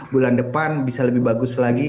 bulan depan bisa lebih bagus lagi